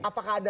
apakah ada deal